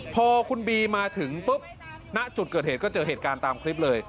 พอคุณบีมาถึงปุ๊บณจุดเกิดเหตุก็เจอเหตุการณ์ตามคลิปเลย